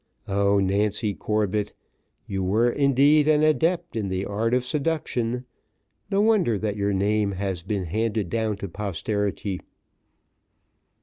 Oh! Nancy Corbett! you were, indeed, an adept in the art of seduction no wonder that your name has been handed down to posterity.